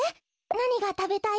なにがたべたい？